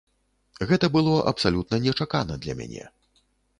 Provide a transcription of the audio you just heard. Гэта было абсалютна нечакана для мяне.